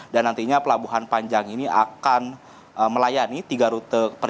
dan nantinya pelabuhan panjang ini akan melayani tiga rute